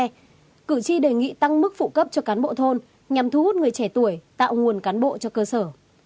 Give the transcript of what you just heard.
sau đó cử tri đề nghị tăng mức phụ cấp cho cán bộ thôn nhằm thu hút người trẻ tuổi tạo nguồn cán bộ cho cơ sở